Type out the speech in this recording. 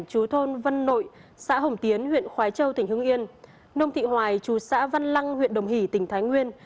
chú thôn vân nội xã hồng tiến huyện khói châu tỉnh hương yên nông thị hoài chú xã văn lăng huyện đồng hỷ tỉnh thái nguyên